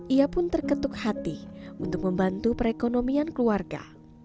ia pun terketuk hati untuk membantu perekonomian keluarga